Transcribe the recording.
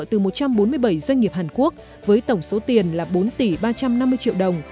từ một trăm bốn mươi bảy doanh nghiệp hàn quốc với tổng số tiền là bốn tỷ ba trăm năm mươi triệu đồng